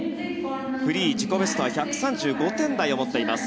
フリー、自己ベストは１３５点台を持っています。